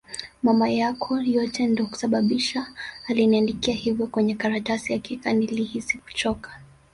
Mama yako yote ndo kasababisha aliniandikia hivo kwenye karatasi hakika nilihisi kuchoka